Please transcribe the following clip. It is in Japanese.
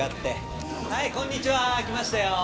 はいこんにちは。来ましたよー。